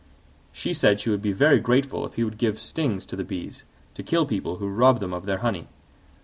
She said she would be very grateful if he would give stings to the bees, to kill people who robbed them of their honey.